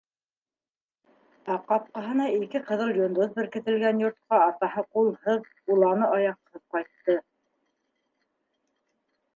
Ә ҡапҡаһына ике ҡыҙыл йондоҙ беркетелгән йортҡа атаһы ҡулһыҙ, уланы аяҡһыҙ ҡайтты.